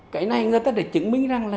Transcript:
cái này người ta đã chứng minh rằng